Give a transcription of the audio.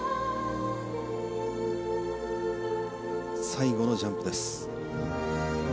最後のジャンプです。